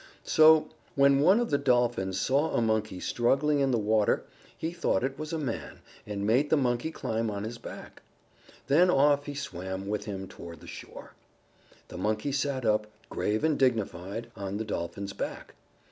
So when one of the Dolphins saw a Monkey struggling in the water, he thought it was a man, and made the Monkey climb up on his back. Then off he swam with him toward the shore. The Monkey sat up, grave and dignified, on the Dolphin's back.